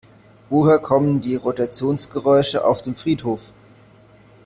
Woher kommen die Rotationsgeräusche auf dem Friedhof?